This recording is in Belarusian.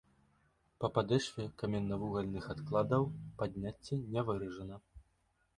Па падэшве каменнавугальных адкладаў падняцце не выражана.